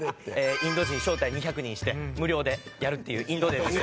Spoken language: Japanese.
インド人招待２００人して無料でやるっていうインド・デーです。